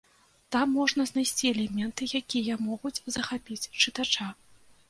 Там можна знайсці элементы, якія могуць захапіць чытача.